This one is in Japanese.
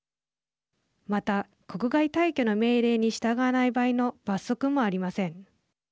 また、国外退去の命令に従わない場合の罰則もありません。